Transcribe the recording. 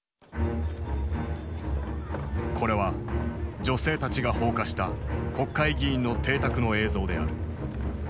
これは女性たちが放火した国会議員の邸宅の映像である。